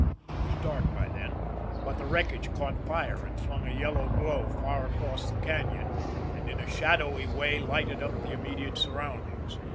It was dark by then, but the wreckage caught fire and flung a yellow glow far across the cañon, and in a shadowy way lighted up the immediate surroundings.